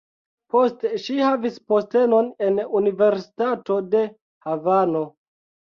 Poste ŝi havis postenon en universitato de Havano.